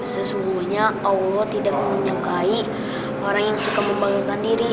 sesungguhnya allah tidak menyokai orang yang suka membanggakan diri